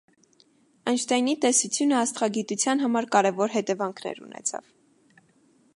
Այնշտայնի տեսությունը աստղագիտության համար կարևոր հետևանքներ ունեցավ։